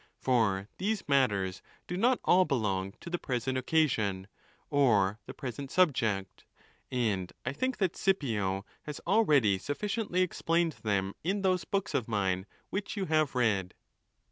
For these matters do not all belong to the present occasion or the present subject, and_ I think that Scipio has already sufficiently explained them in. those books of mine which you have read.